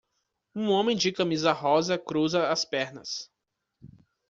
Um homem de camisa rosa cruza as pernas.